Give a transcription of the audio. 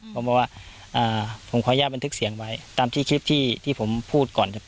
ผมบอกว่าผมขออนุญาตบันทึกเสียงไว้ตามที่คลิปที่ผมพูดก่อน